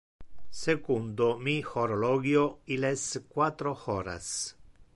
Secundo mi horologio, il es quatro horas.